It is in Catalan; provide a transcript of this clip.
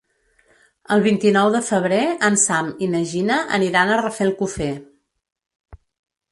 El vint-i-nou de febrer en Sam i na Gina aniran a Rafelcofer.